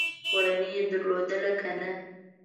کورنۍ یې درلودله که نه ؟